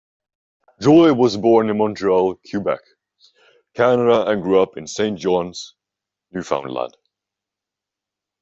Joy was born in Montreal, Quebec, Canada and grew up in Saint John's, Newfoundland.